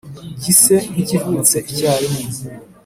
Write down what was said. Gise nk`ikivutse icyarimwe